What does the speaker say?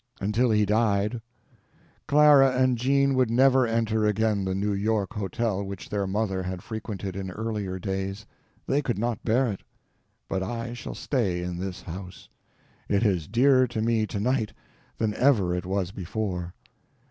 Until he died. Clara and Jean would never enter again the New York hotel which their mother had frequented in earlier days. They could not bear it. But I shall stay in this house. It is dearer to me tonight than ever it was before.